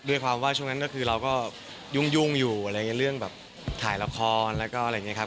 ด้วยความว่าช่วงนั้นก็คือเราก็ยุ่งอยู่อะไรอย่างนี้เรื่องแบบถ่ายละครแล้วก็อะไรอย่างนี้ครับ